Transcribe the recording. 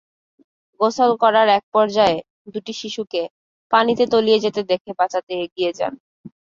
গোসল করার একপর্যায়ে দুটি শিশুকে পানিতে তলিয়ে যেতে দেখে বাঁচাতে এগিয়ে যান।